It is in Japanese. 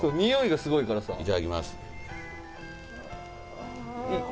匂いがすごいからさ。